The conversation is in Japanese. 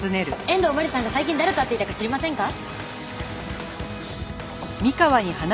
遠藤真理さんが最近誰と会っていたか知りませんか？